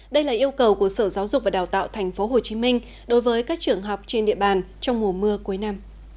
đây là yêu cầu của sở giáo dục và đào tạo tp hcm đối với các trường học trên địa bàn trong mùa mưa cuối năm